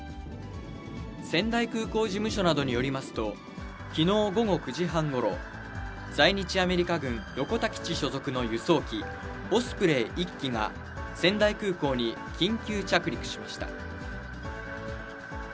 仙台空港事務所などによりますと、きのう午後９時半ごろ、在日アメリカ軍横田基地所属の輸送機オスプレイ１機が、仙台空港に緊急着陸しました。